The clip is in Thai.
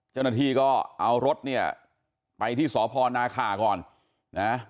เจ้าหน้าที่ก็เอารถเนี่ยไปที่สพนาคาก่อนนะ